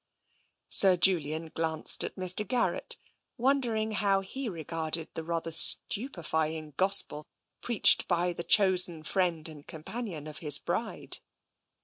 Sir Julian glanced at Mr. Garrett, wondering how he regarded the rather stupefying gospel preached by the chosen friend and companion of his bride.